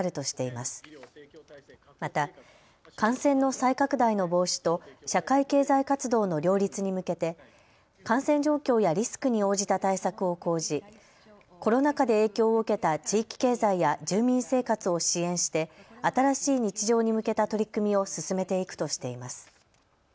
また、感染の再拡大の防止と社会経済活動の両立に向けて感染状況やリスクに応じた対策を講じコロナ禍で影響を受けた地域経済や住民生活を支援して新しい日常に向けた取り組みを進めていくとしています。